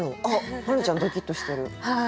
花ちゃんドキッとしてる。